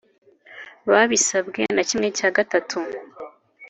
Babisabwe na kimwe cya gatatu